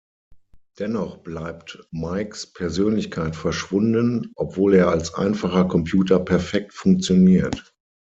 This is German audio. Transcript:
Dennoch bleibt Mikes Persönlichkeit verschwunden, obwohl er als einfacher Computer perfekt funktioniert.